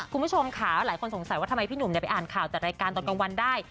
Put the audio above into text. คุณผู้ชมค่ะหลายคนสงสัยว่าทำไมพี่หนุ่มไปอ่านข่าวจัดรายการตอนกลางวันได้